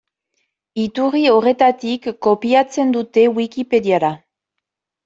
Iturri horretatik kopiatzen dute Wikipediara.